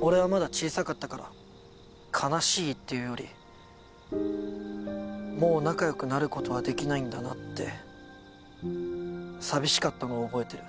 俺はまだ小さかったから悲しいっていうよりもう仲良くなることはできないんだなって寂しかったのを覚えてる。